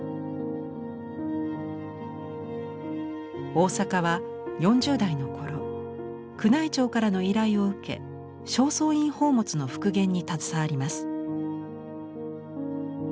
大坂は４０代の頃宮内庁からの依頼を受け正倉院宝物の復元に携わります。